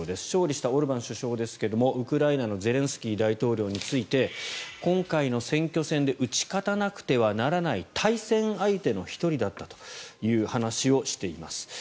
勝利したオルバン首相ですがウクライナのゼレンスキー大統領について今回の選挙戦で打ち勝たなくてはならない対戦相手の１人だったという話をしています。